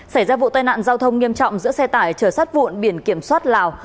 xảy ra vụ tai nạn giao thông nghiêm trọng giữa xe tải chờ sát vụn biển kiểm soát lào